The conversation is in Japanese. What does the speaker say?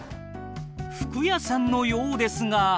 服屋さんのようですが。